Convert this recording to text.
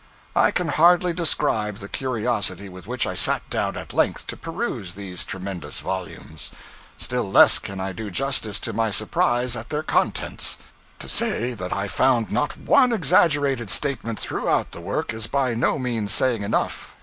I can hardly describe the curiosity with which I sat down at length to peruse these tremendous volumes; still less can I do justice to my surprise at their contents. To say that I found not one exaggerated statement throughout the work is by no means saying enough.